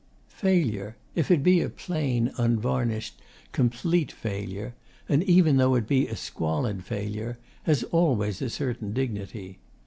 Failure, if it be a plain, unvarnished, complete failure, and even though it be a squalid failure, has always a certain dignity.